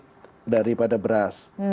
divisit daripada beras